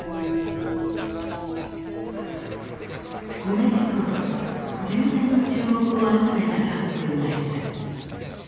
同じ頃全米の注目を集めたカップルがいた。